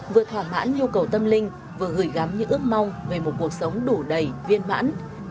vừa thỏa mãn nhu cầu tâm linh vừa gửi gắm những ước mong về một cuộc sống đủ đầy viên mãn